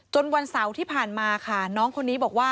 วันเสาร์ที่ผ่านมาค่ะน้องคนนี้บอกว่า